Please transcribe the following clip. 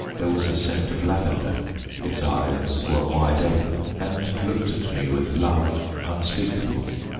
There was a scent of lavender. Its eyes were wide open and looked at me with love unspeakable.